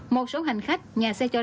một số hành khách nhà xe cho ra